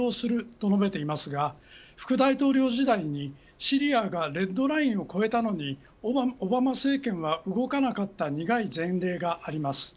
と述べていますが副大統領時代に、シリアがレッドラインを越えたのにオバマ政権は動かなかった苦い前例があります。